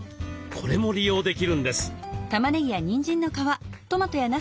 これも利用できるんです。